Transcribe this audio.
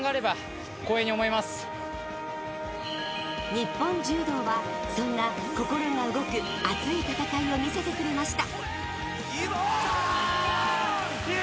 日本柔道は、そんな心が動く熱い戦いを見せてくれました。